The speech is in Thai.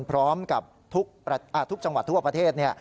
พร้อมกับทุกจังหวัดทั่วประเทศ